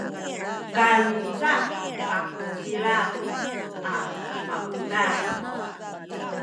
kanca pakucila a maudad